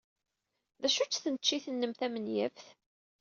D acu-tt tneččit-nnem tamuyaft?